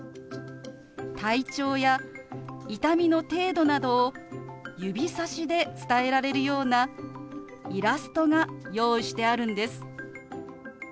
体調や痛みの程度などを指さしで伝えられるようなイラストが用意してあるんです。